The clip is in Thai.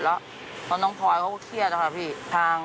เพราะน้องพลอยเขาเข้าใจเจ็บ